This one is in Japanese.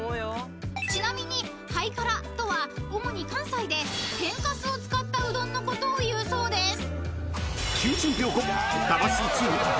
［ちなみにはいからとは主に関西で天かすを使ったうどんのことをいうそうです］